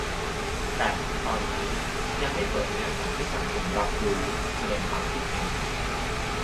แต่ถึงตอนนี้ยังไม่เปิดเนื้อหาให้สังคมรับรู้-แสดงความคิดเห็น